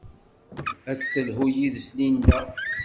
Ad d-telhu yes-s Linda.